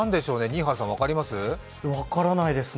新原さん、分かります？